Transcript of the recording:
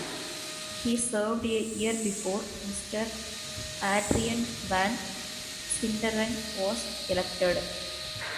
He served a year before Mr. Adrian Van Sinderen was elected.